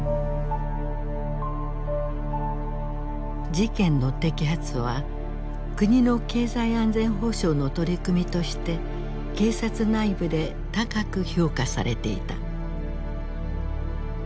事件の摘発は国の経済安全保障の取り組みとして警察内部で高く評価されていた。